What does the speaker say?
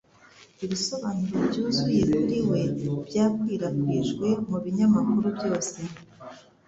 Ibisobanuro byuzuye kuri we byakwirakwijwe mu binyamakuru byose.